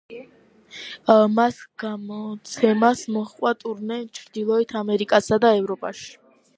მის გამოცემას მოჰყვა ტურნე ჩრდილოეთ ამერიკასა და ევროპაში.